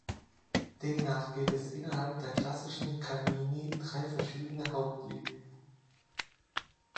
Demnach gäbe es innerhalb der klassischen Canini drei verschiedene Hauptlinien.